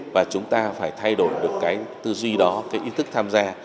và chúng ta phải thay đổi được cái tư duy đó cái ý thức tham gia